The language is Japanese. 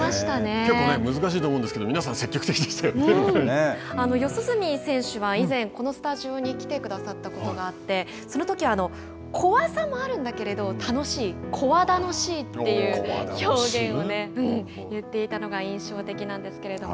結構難しいと思うんですけれども四十住選手は以前、このスタジオに来てくださったことがあってそのときは怖さもあるんだけれども楽しい、“怖楽しい”という表現を言っていたのが印象的なんですけれども。